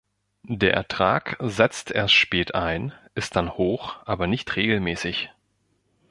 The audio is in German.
Der Ertrag setzt erst spät ein, ist dann hoch, aber nicht regelmäßig.